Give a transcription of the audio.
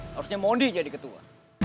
harusnya mondi yang jadi ketua